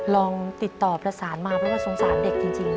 ลองติดต่อประสานมาเพราะว่าสงสารเด็กจริง